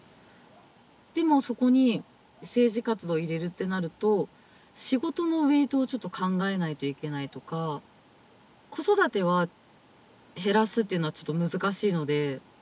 でもそこに政治活動を入れるってなると仕事のウエイトをちょっと考えないといけないとか子育ては減らすっていうのはちょっと難しいので。